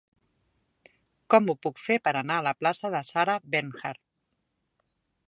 Com ho puc fer per anar a la plaça de Sarah Bernhardt?